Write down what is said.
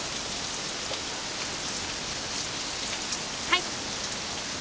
はい。